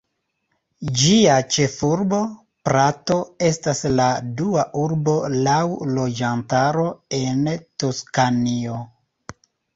Ĝia ĉefurbo, Prato, estas la dua urbo laŭ loĝantaro en Toskanio.